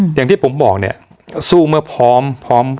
อย่างที่ผมบอกสู้เมื่อพร้อม